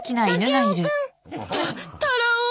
タタラオ。